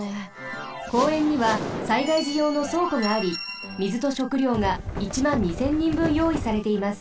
公園には災害じようのそうこがあり水と食料が１２０００人分よういされています。